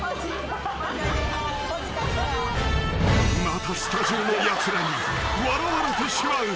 ［またスタジオのやつらに笑われてしまう］